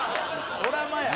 ドラマやん。